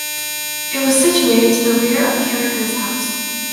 It was situated to the rear of Carragher's house.